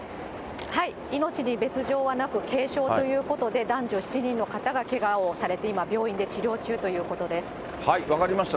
命に別状はなく、軽傷ということで、男女７人の方がけがをされて、今、分かりました。